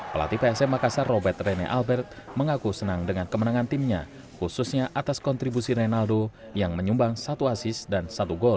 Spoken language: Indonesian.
pelatih psm makassar robert rene albert mengaku senang dengan kemenangan timnya khususnya atas kontribusi reynaldo yang menyumbang satu asis dan satu gol